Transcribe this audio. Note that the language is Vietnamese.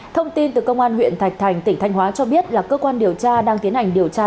thông tin từ công an huyện thạch thành tỉnh thanh hóa cho biết là cơ quan điều tra đang tiến hành điều tra